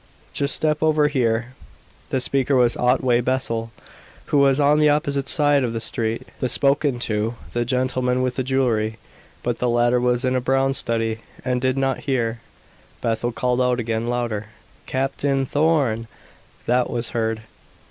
Just step over here." The speaker was Otway Bethel, who was on the opposite side of the street; the spoken to, the gentleman with the jewellery. But the latter was in a brown study, and did not hear. Bethel called out again, louder. "Captain Thorn!" That was heard.